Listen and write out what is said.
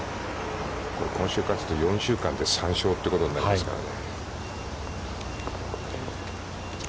今週勝つと４週間で３勝ということになりますからね。